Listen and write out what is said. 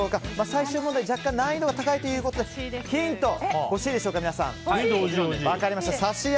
最終問題、若干難易度が高いということでヒント欲しいでしょうか、皆さん。